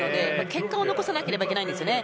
結果を残さなければいけないんですね。